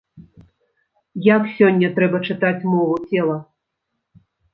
Як сёння трэба чытаць мову цела?